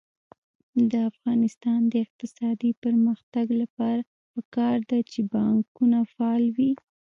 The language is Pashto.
د افغانستان د اقتصادي پرمختګ لپاره پکار ده چې بانکونه فعال وي.